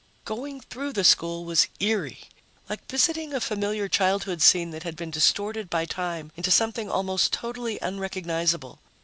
Going through the school was eerie, like visiting a familiar childhood scene that had been distorted by time into something almost totally unrecognizable.